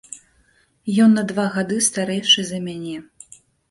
Ён на два гады старэйшы за мяне.